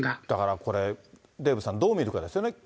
だからこれ、デーブさん、どう見るかですよね。